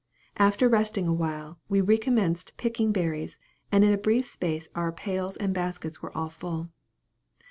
After resting a while, we recommenced picking berries, and in a brief space our pails and baskets were all full.